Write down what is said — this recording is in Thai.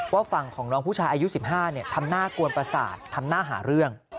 ฝั่งของน้องผู้ชายอายุ๑๕ทำหน้ากวนประสาททำหน้าหาเรื่อง